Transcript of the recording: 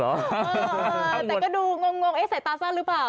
แต่ก็ดูงงเอ๊ะใส่ตาสั้นหรือเปล่า